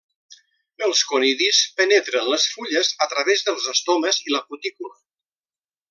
Els conidis penetren les fulles a través dels estomes i la cutícula.